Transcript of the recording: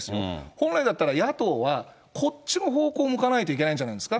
本来だった野党は、こっちの方向向かないといけないんじゃないんですか、